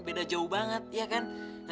beda jauh banget ya kan